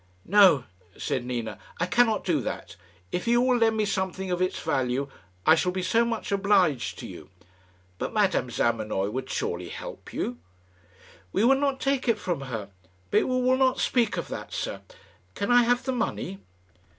"No!" said Nina, "I cannot do that. If you will lend me something of its value, I shall be so much obliged to you." "But Madame Zamenoy would surely help you?" "We would not take it from her. But we will not speak of that, sir. Can I have the money?"